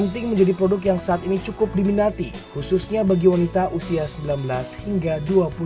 gunting menjadi produk yang saat ini cukup diminati khususnya bagi wanita usia sembilan belas hingga dua puluh tahun